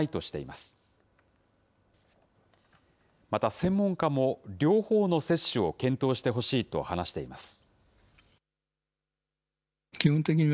また専門家も、両方の接種を検討してほしいと話しています。